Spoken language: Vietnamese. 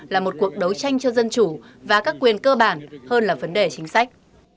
là một cuộc đấu tranh cho dân chủ và các quyền cơ bản hơn là vấn đề chính sách